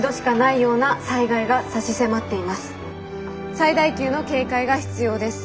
最大級の警戒が必要です。